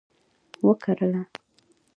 وکرله